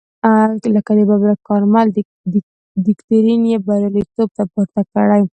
لکه د ببرک کارمل دکترین یې بریالیتوب ته پورته کړی.